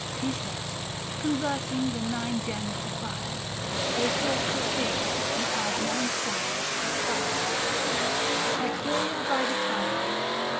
He said ; converting the nine gems to fire, They sought the spheres and as nine stars aspire. 560 III. ID. MA*ET. EQUIKIA BY THE TIBER.